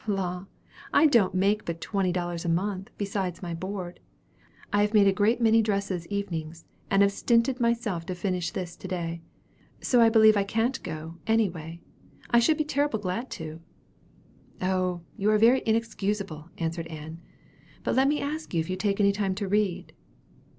"La! I don't make but twelve dollars a month, besides my board. I have made a great many dresses evenings, and have stinted myself to finish this to day. So I believe I can't go, any way. I should be terrible glad to." "Oh, you are very excusable," answered Ann. "But let me ask if you take any time to read."